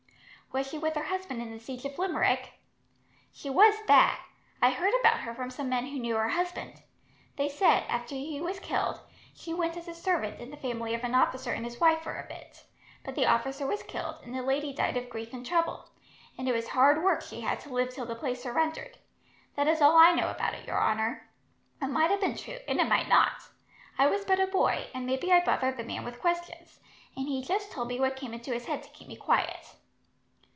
"Was she with her husband in the siege of Limerick?" "She was that. I heard about her from some men who knew her husband. They said, after he was killed, she went as a servant in the family of an officer and his wife for a bit, but the officer was killed, and the lady died of grief and trouble; and it was hard work she had to live till the place surrendered. That is all I know about it, your honour. It might have been true, and it might not. I was but a boy, and maybe I bothered the man with questions, and he just told me what came into his head to keep me quiet."